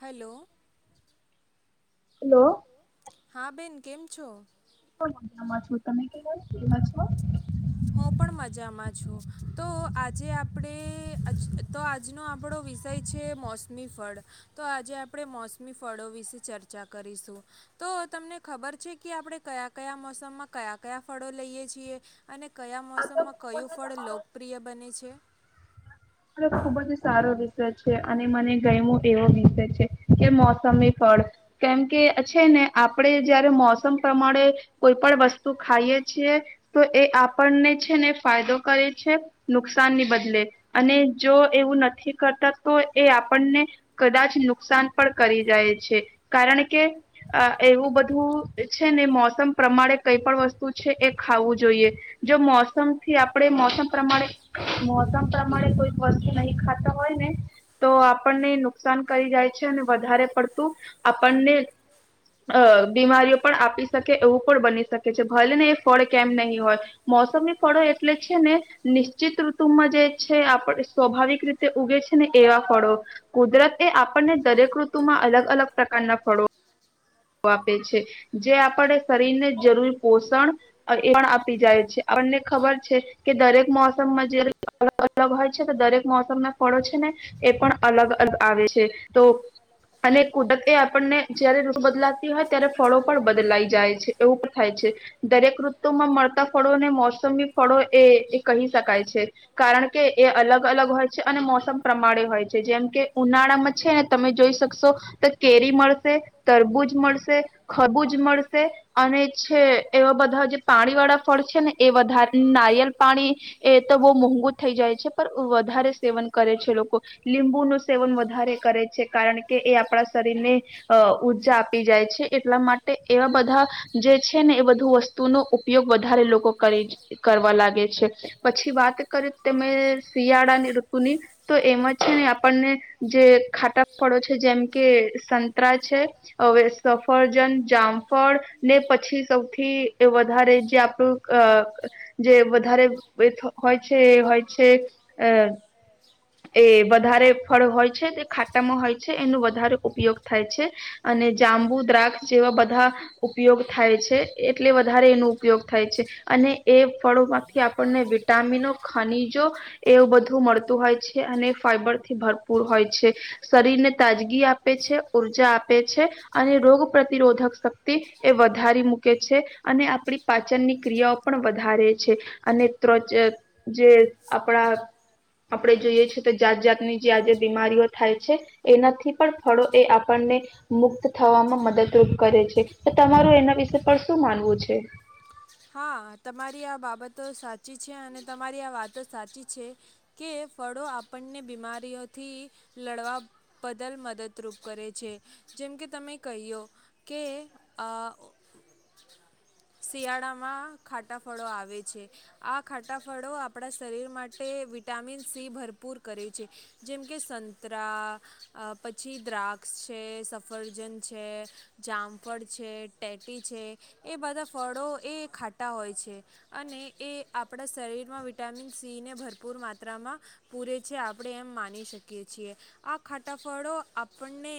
Hello. હા, બેન કેમ છો? હું પણ મજામાં છું, તમે કેહો કેવા છો.? હું પણ મજામાં છું, તો આજે આપડે તો આજનો આપડો વિષય છે, મોસમી ફળ. તો આજે આપણે મોસમી ફળો વિશે ચર્ચા કરીશું, તો તમને ખબર છે કે આપણે કયા-કયા મોસમમાં કયા-કયા ફળો લઈએ છીએ? અને કયા મોસમમાં કયું ફળ લોકપ્રિય બંને છે. ખૂબ જ સારો વિષય છે અને મને ગમ્યું એવો વિષય છે કે મોસમી ફળ, કેમ કે છે ને આપણે જયારે મોસમ પ્રમાણે કોઈ પણ વસ્તુ ખાઈએ છીએ તો એ આપણને છે ને ફાયદો કરે છે નુકસાન ની બદલે. અને જો એવું નથી કરતા તો એ આપણને કદાચ નુકસાન પણ કરી જાય છે કારણ કે, એવું બધું છે ને મોસમ પ્રમાણે કઈ પણ વસ્તુ છે એ ખાવું જોઈએ. જો મોસમથી આપણે મોસમ પ્રમાણે મોસમ કોઈ વસ્તુ નહી ખાતા હોય ને, તો આપણને નુકસાન કરી જાય છે અને વધારે પડતું, આપણને અ બીમારીઓ પણ આપી શકે એવું પણ બની શકે છે. ભલે ને એ ફળ કેમ નહીં હોય, મોસમી ફળો એટલે છે ને, નિશ્ચિત ઋતુમાં જે છે આપ સ્વાભાવિક રીતે ઉગે છે ને એવા ફળો, કુદરત એ આપણને દરેક ઋતુમાં અલગ-અલગ પ્રકારના ફળો. એ પણ આપી જાય છે આપને ખબર છે કે, દરેક મોસમમાં જયારે અ અલગ હોય છે તો દરેક મોસમ ના ફળો છે ને, એ પણ અલગ-અલગ આવે છે, તો અને કુદત એ આપણને જયારે બદલાતી હોય ત્યારે ફળો પણ બદલાઈ જાય છે, એવું બી થાય. દરેક ઋતુ માં મળતા ફળોને મોસમી ફળો એ કહી શકાય છે, કારણ કે એ અલગ-અલગ હોય છે અને મોસમ પ્રમાણે હોય છે જેમ કે ઉનાળામાં છે ને તમે જોઈ શકશો તો કેરી મળશે. બૂચ મળશે, ખરબુંજ મળશે, અને એવા બધા જે પાણી વાળા ફળ છે ને એ વધારે, નારિયેલ પાણી એ તો બહુ મોંઘુ થઈ જાય છે પણ વધારે સેવન કરે છે લોકો, લીંબુ નું સેવન વધારે કરે છે કારણ કે એ આપણા શરીરને, અ ર્જા આપી જાય છે એટલા માટે એવા બધા, જે છે છે ને એ બધું વસ્તુનો ઉપયોગ વધારે લોકો કરી કરવા લાગે છે, પછી વાત કરી તમે શિયાળાની ઋતુની, તો એમાં છે ને આપણને જે ખાટા ફળો છે જેમ કે સંતરા છે હવે સફળજન જામફળ, ને પછી પછી સૌથી વધારે જે આપણું, જે વધારે હોય છે એ હોય છે અ એ વધારે ફળ હોય છે, તે ખાટામાં હોય છે એનો વધારે ઉપયોગ થાય છે, અને જાંબુ દ્રાક્ષ જેવા બધા, ઉપયોગ થાય છે એટલે વધારે એનો ઉપયોગ થાય છે, અને એ ફળોમાંથી આપણને વિટામિનો ખનીજો, એવું બધું મળતું હોય. અને ફાઈબરથી ભરપૂર હોય છે, શરીરને તાજગી આપે છે ઉર્જા આપે છે, અને રોગ પ્રતિરોધક શક્તિ એ વધારે છે, અને આપણી પાચન ની ક્રિયાઓ પણ વધારે છે, અનેર જે આપણા જોઈએ છે તો જાત જાતની જે આજે બીમારીઓ થાય છે, એનાથી પણ ફળો એ આપણને મુક્ત થવામાં મદદરૂપ કરે છે, તો તમારું એના વિશે પણ શું માનવું છે. મારી આ બાબતો સાચી છે અને તમારી આ વાતો સાચી છે કે ફળો આપણને બીમારીઓથી લડવા બદલ મદદરૂપ કરે છે જેમકે તમે કહઓ કે અ શિયાળામાં ખાટાફળો આવે છે આ ખાટાફળો આપણા શરીર માટે વિટામિન. સી ભરપૂર કરે છે જેમકે સંતરા, પછી દ્રાક્ષ છે, સફરજન છે, જામફળ છે, ટેટી છે, એ બધા ફળો એ ખાટા હોય છે અને એ આપણા શરીરમાં વિટામિન સીને ભરપૂર માત્રામાં. પૂરે છે આપણે એમ માની શકીએ છીએ આ ખાટાફળો આપણને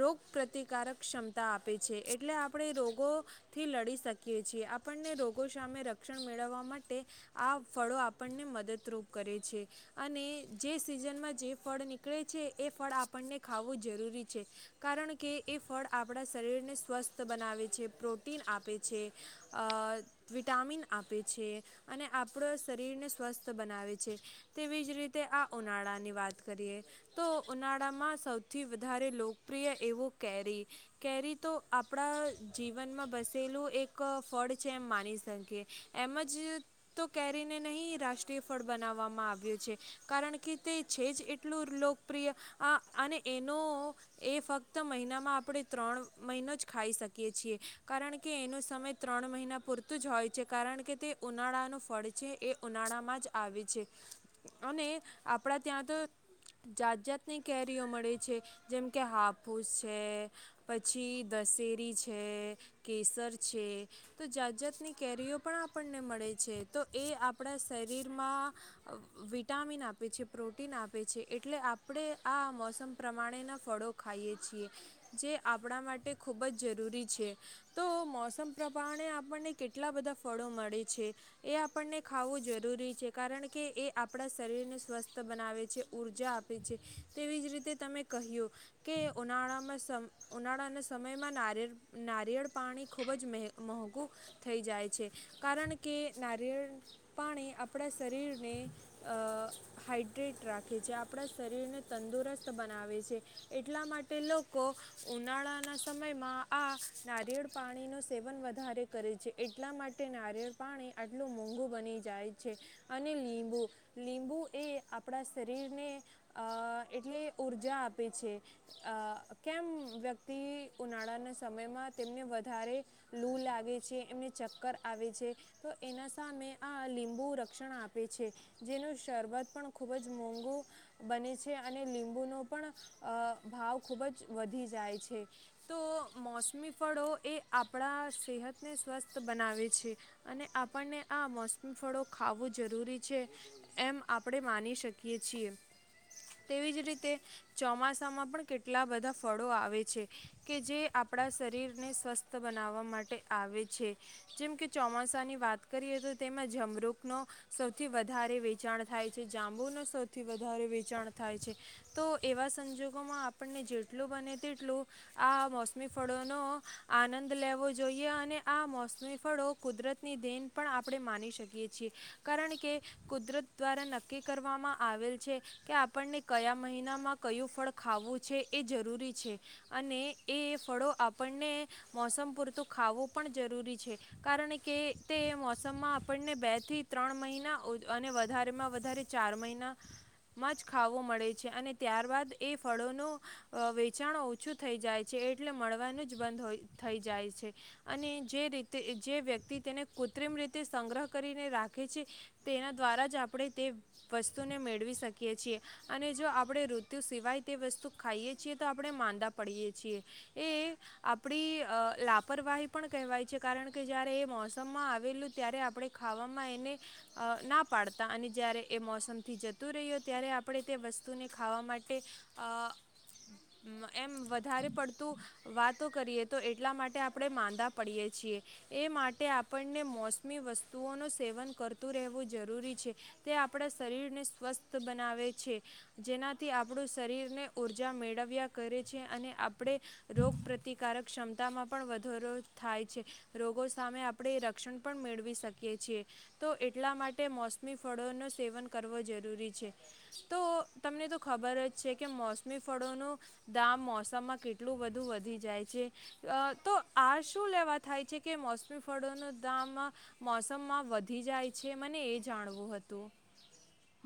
રોગ પ્રતિકારક ક્ષમતા આપે છે એટલે આપણે રોગોથી લડી શકીએ છીએ આપણને રોગો સામે રક્ષણ મેળવવા માટે આ ફળો આપણને મદદરૂપ. કરે છે અને જે સિઝનમાં જે ફળ નીકળે છે એ ફળ આપણને ખાવવું જરૂરી છે કારણ કે એ ફળ આપણા શરીરને સ્વસ્થ બનાવે છે, પ્રોટીન આપે છે, વિટામિન આપે છે, અને આપણા શરીરને સ્વસ્થ બનાવે છે. તેવી જ રીતે આ ઉનાળાની વાત કરીએ તો ઉનાળામાં સૌથી વધારે લોકપ્રિય એવું કેરી કેરી તો આપણા જીવનમાં બેસેલું એક ફળ છે એમ માની શકીએ એમ જ તો કેરીને નહીં રાષ્ટ્રીય ફળ. બનાવવામાં આવ્યો છે કારણ કે તે છે જ એટલું લોકપ્રિય ઈન અ અને એનો એ ફક્ત મહિનામાં આપણે ત્રણ મહિનો જ ખાઈ શકીએ છીએ કારણ કે એનો સમય ત્રણ મહિના પૂરતું જ હોય છે કારણ કે તે ઉનાળાનું ફળ છે એ ઉનાળામાં જ. આવે છે અને આપણા ત્યાં તો જાત જાતની કેરીઓ મળે છે જેમ કે હાપુસ છે, પછી દશેરી છે, કેસર છે, તો જાત જાાતની કેરીઓ પણ આપણને મળે છે તો એ આપણા શરીર. માં વિટામિન આપે છે પ્રોટીન આપે છે એટલે આપણે આ મોસમ પ્રમાણેના ફળો ખાઈએ છીએ જે આપણા માટે ખૂબ જ જરૂરી છે તો મોસમ પ્રમાણે આપણને કેટલા બધા ફળો મળે છે એ આપણને ખાવું જરૂરી છે કારણ કે એ આપણા શરીરને સ્વસ્થ બનાવે છે ઉઊર્જા આપે છે તેવી જ રીતે તમે કહ્યું કે ઉનાળામાં સમ ઉનાળાના સમયમાં નારિયેળ નારિયળ પાણી ખૂબ જ મોંઘું થઈ જાય છે કારણ કે નારિયેળ પાણી. આપણા શરીરને અ હાાઈડ્રેટ રાખે છે આપણા શરીરને તંદુરસ્ત બનાવે છે એટલા માટે લોકો ઉનાળાના સમયમાં આ નારિયેળ પાણીનું સેવન વધારે કરે છે એટલા માટે નારિયેળ પાણી આટલું મોંઘું બની જાય. છે અને લીંબુ લીંબુ એ આપણા શરીરને એટલે ઉઊર્જા આપે છે કેમ વ્યક્તિ ઉનાળાના સમયમાં તેમને વધારે લૂ લાગે છે એમને ચક્કર આવે છે તો એના સામે આ લીંબુ બહુ રક્ષણ આપે છે જેનું શરબત પણ ખૂબ જ મોંઘું બને છે અને લીંબુનો પણ ભાવ ખૂબ જ વધી જાય છે તો મોસમી ફળો એ આપણા સેહતને સ્વસ્થ બનાવે છે અને આપણને આ મોસમી ફળો ખાવું જરૂરી છે એમ આપણે માની શકીએ છીએ તેવી જ રીતે ચોમાસામાં પણ કેટલા બધા ફળો આવે છે કે જે આપણા શરીરને સ્વસ્થ બનાવવા માટે આવે છે જેમ કે ચોમાસાની વાત કરીએ તો તેમાં જમરૂ. નો સૌથી વધારે વેચાણ થાય છે જાંબુનું સૌથી વધારે વેચાણ થાય છે તો એવા સંજોગોમાં આપણને જેટલું બને તેટલું આ મોસમી ફળોનો આનંદ લેવો જોઈએ અને આ મોસમી ફળો કુદરતની દેન પણ આપણે માની શકીએ કારણ કે કુદરત દ્વારા નક્કી કરવામાં આવેલ છે કે આપણને કયા મહિનામાં કયું ફળ ખાવું છે એ જરૂરી છે અને એ ફળો આપણને મોસમ પૂરતું ખાવવું પણ જરૂરી છે કારણ કે તે મોસમમાં આપણને બે. થી ત્રણ મહિના અને વધારેમાં વધારે ચાર મહિનામાં જ ખાવો મળે છે અને ત્યારબાદ એ ફળોનું વેચાણ ઓછું થઈ જાય છે એટલે મળવાનું જ બંધ હોય થઈ જાય છે અને જે રીતે જે વ્યક્તિ તેને કૃત્રિમ રીતે સંગ્રહ કરી. રાખે છે તેના દ્વારા જ આપણે તે વસ્તુને મેળવી શકીએ છીએ અને જો આપણે ઋત્યુ સિવાય તે વસ્તુ ખાઈએ છીએ તો આપણે માંદા પડીએ છીએ એ આપણી લાપરવાહી પણ કહેવાય છે કારણ કે જ્યારે એ મોસમમાં આવેલું ત્યારે આપણે. ખાવામાં એને અ ના પાડતા અને જ્યારે એ મોસમથી જતું રહ્યું ત્યારે આપણે તે વસ્તુને ખાવા માટે અ એમ વધારે પડતું વાતો કરીએ તો એટલા માટે આપણે માંદા પડીએ છીએ એ માટે આપણને મોસમી વસ્ વસ્તુઓનું સેવન કરતું રહેવું જરૂરી છે તે આપણા શરીરને સ્વસ્થ બનાવે છે જેનાથી આપણું શરીરને ઉર્જા મેળવ્યા કરે છે અને આપણે રોગ પ્રતિકારક ક્ષમતામાં પણ વધારો થાય છે રોગો સામે આપણે રક્ષણ પણ મેળવી શક કે છીએ તો એટલા માટે મોસમી ફળોનું સેવન કરવું જરૂરી છે તો તમને તો ખબર જ છે કે મોસમી ફળોનું દામ મોસમમાં કેટલું બધું વધી જાય છે અ તો આ શું લેવા થાય છે કે મોસમી ફળોનું દામ. મોસમમાં વધી જાય છે મને એ જાણવું હતું.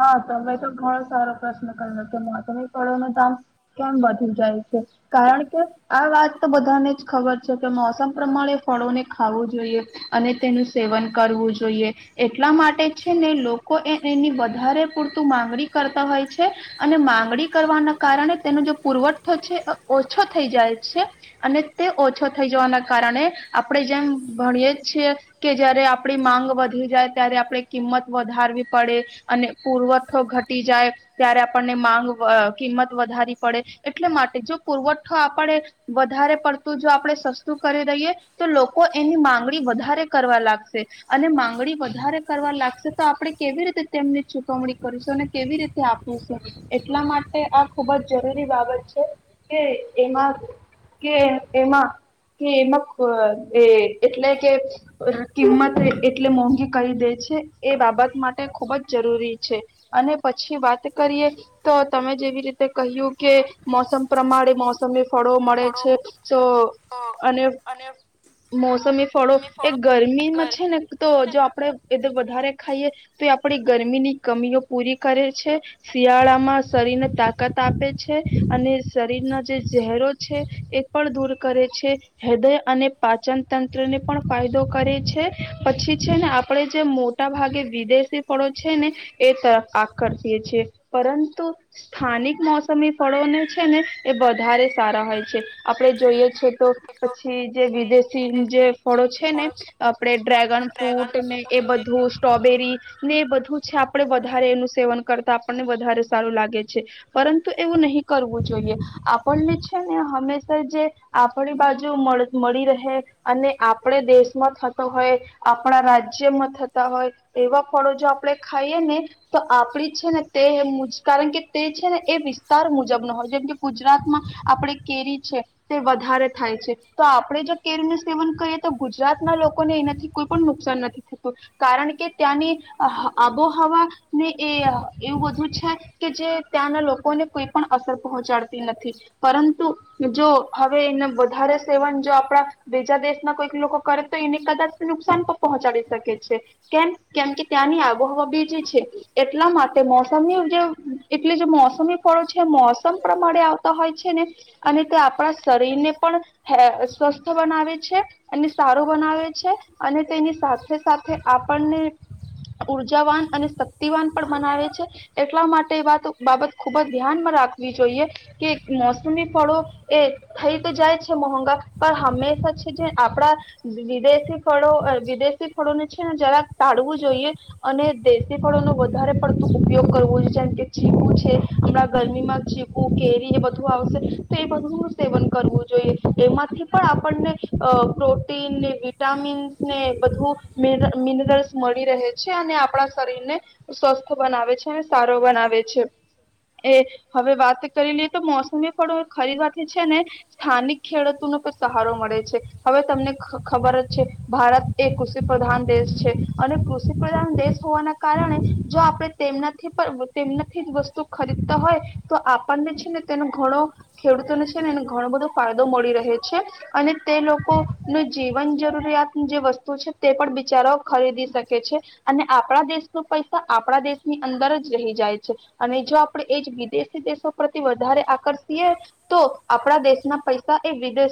હા તમે તો ઘણો સારો પ્રશ્ન કર્યો કે મોસમી ફળોનું દામ કેમ વધી જાય છે કારણ કે આ વાત તો બધાને જ ખબર છે કે મોસમ પ્રમાણે ફળોને ખાવું જોઈએ અને તેનું સેવન કરવું જોઈએ એટલા માટે છે ને લોકો એ એની. વધારે પૂરતું માંગણી કરતા હોય છે અને માંગણી કરવાના કારણે તેનો જે પુરવઠો છે ઓછો થઈ જાય છે અને તે ઓછો થઈ જવાના કારણે આપણે જેમ ભણીએ છીએ કે જયારે આપણી માંગ વધી જાય ત્યારે આપણે કિંમત વધારવી પડે. અને પુરવઠો ઘટી જાય ત્યારે આપણને માંગ કિંમત વધારી પડે એટલે માટે જો પુરવઠો આપણે વધારે પડતું જો આપણે સસ્તું કરી દઈએ તો લોકો એની માંગણી વધારે કરવા લાગશે અને માંગણી વધારે કરવા લાગશે તો આપણે કેવી રીતે તેમની ચૂકવણી કરીશું અને કેવી રીતે આપીશું એટલા માટે આ ખુબ જ જરૂરી બાબત છે કે એમાં કે એમાં કે એમાં એ એટલે કે કિંમત એટલે મોંઘી કરી દે છે એ બાબત માટે ખૂબ જ જરૂરી છે અને પછી વાત કરીએ તો તમે જેવી રીતે કહ્યું કે મોસમ પ્રમાણે મોસમે ફળો મળે છે તો અને. મોસમી ફળો એ ગરમીમાં છે ને તો જો આપણેે એ વધારે ખાઈએ તો આપડી ગરમીની કમીઓ પૂરી કરે છે શિયાળામાં શરીરને તાકાત આપે છે અને શરીરના જે ઝહેરો છે એ પણ દૂર કરે છે હૃદય અને પાચન તંત્રને પણ ફાયદો કરે છે પછી છે ને આપણે જે મોટા ભાગે વિદેશી ફળો છે ને એ તર આકર્ષીય છે પરંતુ સ્થાનિક મોસમી ફળોને છે ને એ વધારે સારા હોય છે આપડણે જોઈએ છે. તો પછી જે વિદેશી જે ફળો છે ને આપણે ડ્રેગન ફ્રૂટ ને એ બધું સ્ટ્રોબેરી. ને એ બધું છે આપણે વધારે એનું સેવન કરતા આપણને વધારે સારું લાગે છે પરંતુ એવું નહી કરવું. જોઈએ આપણને છે ને હંમેશા જે આપણી બાજુ મળી રહે અને આ આપણે દેશમાં થતો હોય આપણા રાજ્યમાં થતા હોય એવા ફળો જો આપડણે ખાઈએ ને તો આપડી છે ને તે કારણ કે તે છે ને એ વિસ્તાર મુજબ ન હોય જેમકે ગુજરાતમાં આપણે કેરી છે તે વધારે થાય છે તો આપણે જો કેરીનું સેવન કરીએ તો ગુજરા ગુજરાતના લોકોને એનાથી કોઈ પણ નુકસાન નથી થતું કારણ કે ત્યાં આબોહવા ને એ એવું બધું છે કે જે ત્યાંના લોકોને કોઈ પણ અસર પહોંચાડતી નથી પરંતુ જો હવે એ વધારે સેવન જો આપણા બીજા દેશના કોઈક લોકો કરે તો એને કદાચ નુકસાન પર પહોંચાડી શકે છે કેમ કેમ કે ત્યાંની આબોહવા બીજી છે એટલા માટે મોસમની જે એટલે જે મોસમી ફળો છે મોસમ પ્રમાણે આવતા હોય છે ને અને તે આપણા શરીરને પણ હે અ સ્વસ્થ બનાવે છે અને સારો બનાવે છે અને તેની સાથે સાથે આપણને ઉર્જાવાન અને શક્તિવાન પણ મનાવે છે, એટલા માટે એ વાત બાબત ખુબ જ ધ્યાનમાં રાખવી જોઈએ, કે મોસમી ફળો એ થઈ તો જાય છે મોંંગા પણ હંમેશા છે જે આપડા વિદેશી ફળો વિદેશી ફળો ને છે ને જરાક ટાળવું જ જોઈએ, અને દેશી ફળો ન વધારે પડતું ઉપયોગ કરવો જોઈ જેમ કે ચીપુ છે, હમણાં ગરમીમાં ચીપુ કેરી એ બધું આવશે તો એ બધું ન સેવન કરવું જોઈએ, એમાંથી પણ આપણને, પ્રોટીન વિટામિન્સ ને બધું મિનર રહે છે અને આપણા શરીર ને, સ્વસ્થ બનાવે છે અને સારો બનાવે છે એ હવે વાત કરી લઈએ તો મોસમી ફળો ખરીથી છે ને, સ્થાનિક ખેડૂતો ન પણ સહારો મળે છે. હવે તમને ખબર જ છે, ભારત એ કૃષિ પ્રધાન દેશ છે. અને કૃષિ પ્રધાન દેશ હોવાના કારણે, જો આપણે તેમનાથી તેમનાથી જ વસ્તુ ખરીદતા હોય, તો આપણને છે ને તેનો ઘણો, ખેડૂતોને છે ને એ ઘણો બધો ફાય મળી રહે છે, અને તે લોકો ન જીવન જરૂરિયાત જે વસ્તુ છે તે પણ બિચારા ખરીદી શકે છે, અને આપણા દેશ ન પૈસા આપણા દેશની અંદર જ રહી જાય છે, અને જો આપણે એ જ વિદેશી દેશો પ્ર્ય વધારે આકર્ષીએ, તો આપણા દેશના પૈસા એ વિદેશો